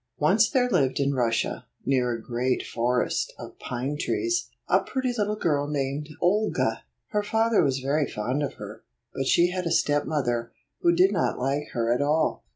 Once there lived in Russia, near a great forest of pine trees, a pretty little girl named Olga. Her father was very fond of her, but she had a step mother who did not like her at all.